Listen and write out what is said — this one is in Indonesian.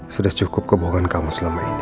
sudah cukup kebohongan kamu selama ini